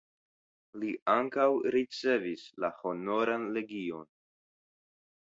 Li ankaŭ ricevis la Honoran Legion.